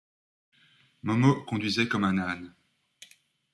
Momo conduisait comme un âne.